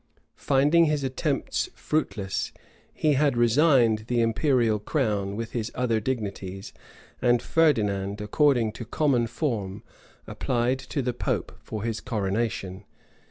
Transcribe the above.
Finding his attempts fruitless, he had resigned the imperial crown with his other dignities; and Ferdinand, according to common form, applied to the pope for his coronation.